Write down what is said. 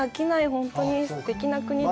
本当にすてきな国です。